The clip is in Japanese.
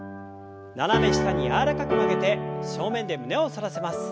斜め下に柔らかく曲げて正面で胸を反らせます。